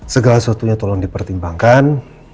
segala sesuatunya tolong dipertimbangkan